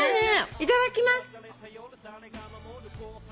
いただきます。